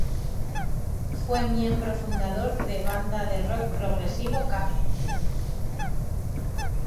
Fue miembro fundador de banda de rock progresivo Camel.